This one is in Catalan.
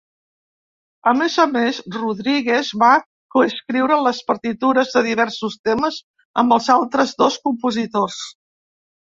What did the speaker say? A més a més, Rodríguez va coescriure les partitures de diversos temes amb els altres dos compositors.